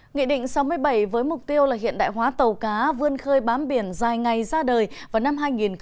nghị định sáu mươi bảy với mục tiêu là hiện đại hóa tàu cá vươn khơi bám biển dài ngày ra đời vào năm hai nghìn hai mươi